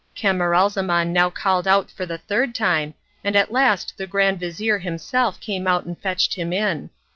Camaralzaman now called out for the third time, and at last the grand vizir himself came out and fetched him in.